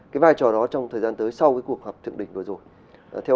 cái vai trò đó trong thời gian tới sau cuộc họp thượng đỉnh vừa rồi theo ông sẽ như thế nào